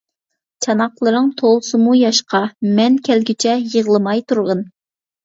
چاناقلىرىڭ تولسىمۇ ياشقا، مەن كەلگۈچە يىغلىماي تۇرغىن.